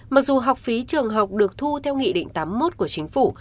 mặc dù học phí trường học được thu theo nghị định tám mươi một của chính phủ